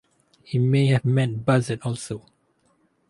It may have meant "buzzard" also.